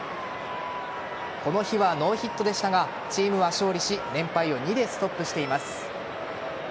この日はノーヒットでしたがチームは勝利し連敗を２でストップしています。